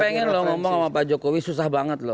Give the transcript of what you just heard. pengen loh ngomong sama pak jokowi susah banget loh